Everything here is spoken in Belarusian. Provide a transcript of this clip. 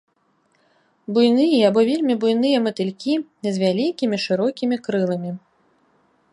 Буйныя або вельмі буйныя матылькі з вялікімі шырокімі крыламі.